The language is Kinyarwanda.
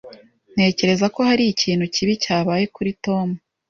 Ntekereza ko hari ikintu kibi cyabaye kuri Tom.